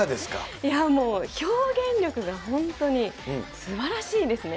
いやーもう、表現力が本当にすばらしいんですね。